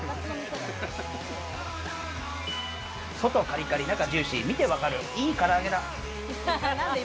外カリカリ、中ジューシー、見て分かる、いい空揚げだ。